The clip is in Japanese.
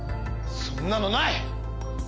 そんなのない！